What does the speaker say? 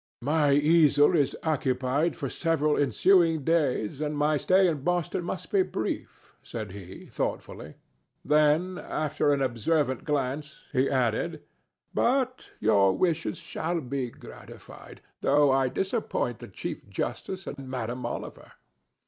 "My easel is occupied for several ensuing days, and my stay in Boston must be brief," said he, thoughtfully; then, after an observant glance, he added, "But your wishes shall be gratified though I disappoint the chief justice and Madame Oliver.